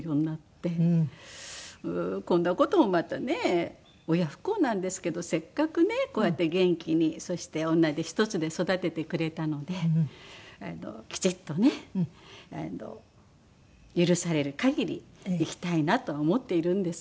こんな事もまたね親不孝なんですけどせっかくねこうやって元気にそして女手一つで育ててくれたのできちっとね許される限り生きたいなとは思っているんですが。